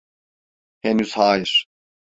Henüz hayır.